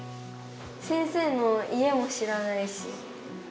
先生の家も知らないし。